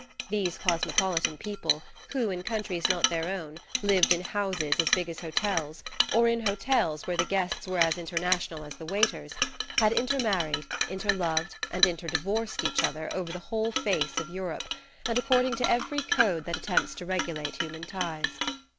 These cosmopolitan people, who, in countries not their own, lived in houses as big as hotels, or in hotels where the guests were as international as the waiters, had inter married, inter loved and inter divorced each other over the whole face of Europe, and according to every code that attempts to regulate human ties.